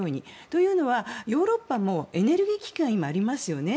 というのはヨーロッパもエネルギー危機が今、ありますよね。